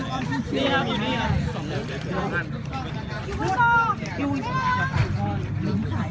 โผล่นานครับอย่าต้องตั้ง